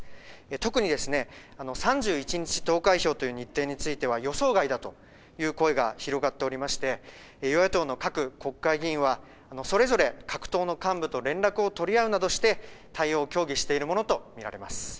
特に３１日、投開票という日程については予想外だという声が広がっておりまして与野党の各国会議員はそれぞれ各党の幹部と連絡を取り合うなどして対応を協議しているものと見られます。